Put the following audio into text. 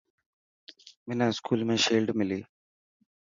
منا اسڪول ۾ شيلڊ ملي.